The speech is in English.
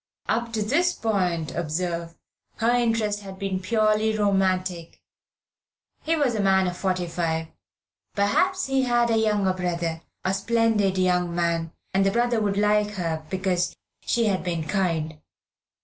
Up to this point, observe, her interest had been purely romantic. He was a man of forty five. Perhaps he had a younger brother, a splendid young man, and the brother would like her because she had been kind.